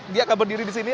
dia akan berdiri disini